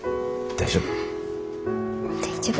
大丈夫。